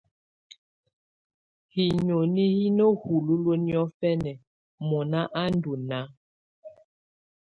Hinoni hi ná hululuǝ́ niɔ̀fɛna mɔ́ná á ndɔ́ náá.